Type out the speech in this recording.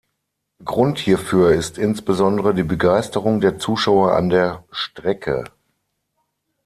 Grund hierfür ist insbesondere die Begeisterung der Zuschauer an der Strecke.